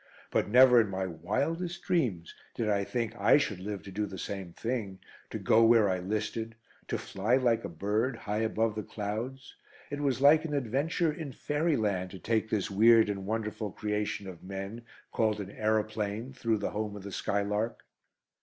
But never in my wildest dreams did I think I should live to do the same thing, to go where I listed; to fly like a bird, high above the clouds. It was like an adventure in fairyland to take this weird and wonderful creation of men, called an aeroplane, through the home of the skylark.